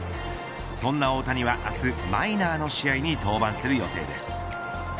そんな大谷は明日マイナーの試合に登板する予定です。